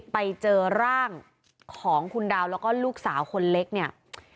ไปเจอร่างของคุณดาวแล้วก็ลูกสาวคนเล็กเนี่ย